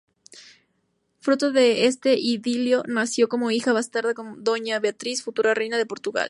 Fruto de este idilio nació, como hija bastarda, doña Beatriz, futura Reina de Portugal.